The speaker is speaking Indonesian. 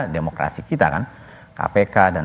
demokrasi kita kan kpk dan